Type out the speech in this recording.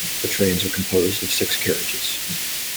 The trains are composed of six carriages.